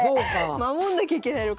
守んなきゃいけないのか。